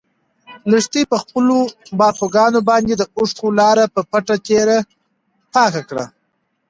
لښتې په خپلو باړخوګانو باندې د اوښکو لاره په پټه تېره پاکه کړه.